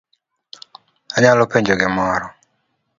Anyalo penjo gimoro?